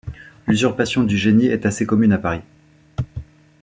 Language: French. L'usurpation du génie est assez commune à Paris.